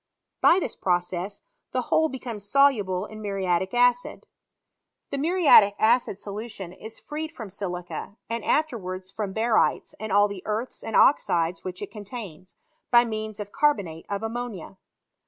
By this process, the whole becomes soluble in muriatic acid. The muriatic acid solution is freed £rom silica, and afterwards from barytes, and all the earths and oxides which it contains, by means of carbonate of . ammonia.